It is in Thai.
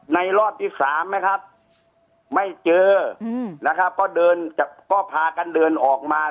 รอบที่สามนะครับไม่เจอนะครับก็เดินจากก็พากันเดินออกมา